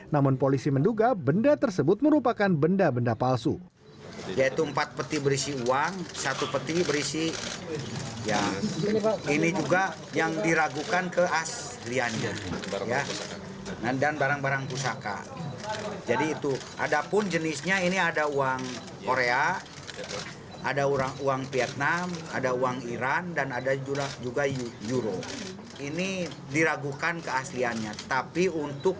namun polisi menduga benda tersebut merupakan benda benda palsu